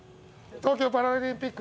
東京パラリンピック